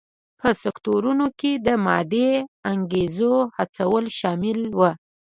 په سکتورونو کې د مادي انګېزو هڅول شامل و.